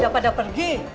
si boy pada pergi